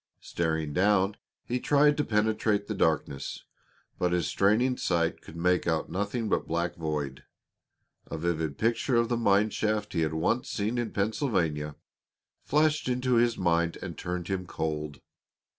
Staring down, he tried to penetrate the darkness, but his straining sight could make out nothing but black void. A vivid picture of the mine shaft he had once seen in Pennsylvania flashed into his mind and turned him cold.